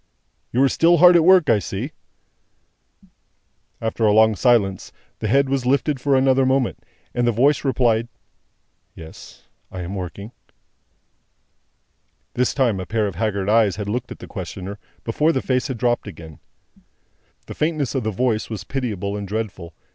"You are still hard at work, I see?" After a long silence, the head was lifted for another moment, and the voice replied, "Yes I am working." This time, a pair of haggard eyes had looked at the questioner, before the face had dropped again. The faintness of the voice was pitiable and dreadful.